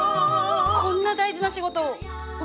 こんな大事な仕事を私が？